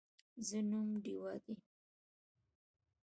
زه نوم ډیوه دی